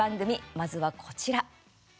まずは、こちら。